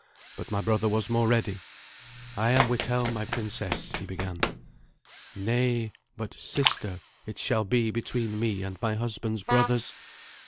But my brother was more ready. "I am Withelm, my princess " he began. "Nay; but 'sister' it shall be between me and my husband's brothers.